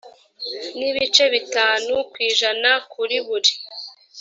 n ibice bitanu ku ijana kuri buri